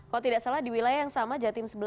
kalau tidak salah di wilayah yang sama jatim sebelas